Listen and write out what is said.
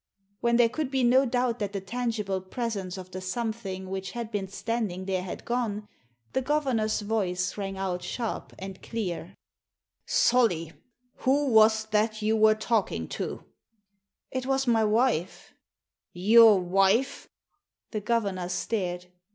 When there could be no doubt that the tangible presence of the something which had been standing there had gone, the governor's voice rang out sharp and clear —*' Solly, who was that you were talking to ?"It was my wife." "Your wife?" The governor stared.